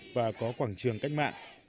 và có quảng trường cách mạng